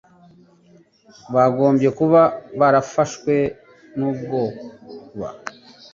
Bagombye kuba barafashwe n'ubwoba